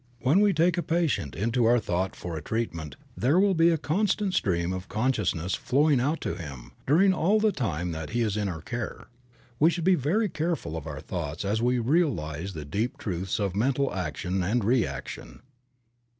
When we take a patient into our thought for a treatment there will be a constant stream of conscious ness flowing out to him, during all the time that he is in our care. We should be very careful of our thoughts as we realize the deep truths of mental action and reaction.